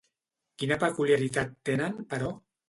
Quina peculiaritat tenen, però?